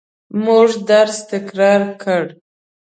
موږ درس تکرار کړ.